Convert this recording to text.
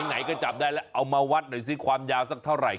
ไหนก็จับได้แล้วเอามาวัดหน่อยสิความยาวสักเท่าไหร่